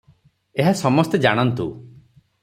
ଏହା ସମସ୍ତେ ଜାଣନ୍ତୁ ।